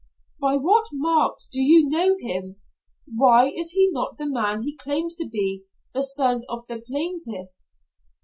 "By what marks do you know him? Why is he not the man he claims to be, the son of the plaintiff?"